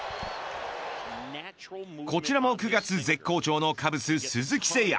こちらも９月絶好調のカブス、鈴木誠也。